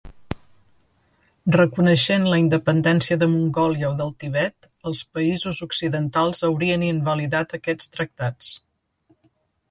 Reconeixent la independència de Mongòlia o del Tibet, els països occidentals haurien invalidat aquests tractats.